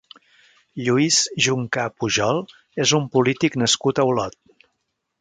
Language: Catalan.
Lluís Juncà Pujol és un polític nascut a Olot.